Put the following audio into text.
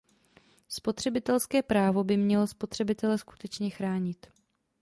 Spotřebitelské právo by mělo spotřebitele skutečně chránit.